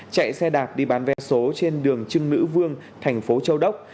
chạy xe đạp đi bán vé số trên đường trưng nữ vương thành phố châu đốc